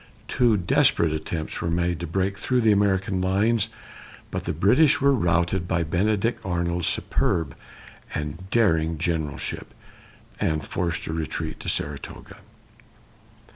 Two desperate attempts were made to break through the American lines, but the British were routed by Benedict Arnold's superb and daring generalship, and forced to retreat to Saratoga.